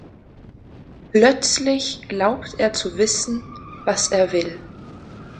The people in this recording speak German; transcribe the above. Plötzlich glaubt er zu wissen, was er will.